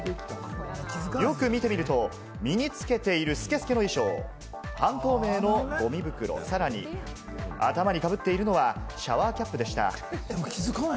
よく見てみると、身につけている透け透けの衣装、半透明のゴミ袋、さらに頭にかぶっているのはシャワーキャップでした。